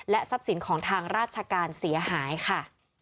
ทรัพย์สินของทางราชการเสียหายค่ะ